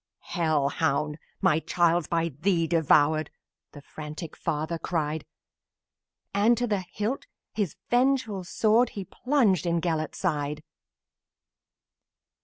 "Hell hound! By thee my child's devoured!" The frantic father cried; And to the hilt his vengeful sword He plunged in Gelert's side.